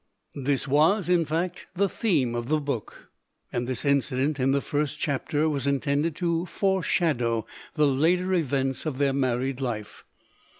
This was, in fact, the theme of the book, and this incident in the first chapter was intended to foreshadow the later events of their married life.